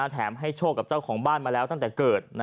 แถมให้โชคกับเจ้าของบ้านมาแล้วตั้งแต่เกิด